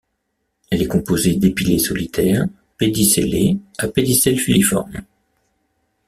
Elle est composée d'épillets solitaires, pédicellés, à pédicelle filiforme.